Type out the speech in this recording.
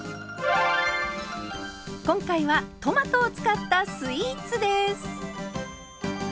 今回はトマトを使ったスイーツです。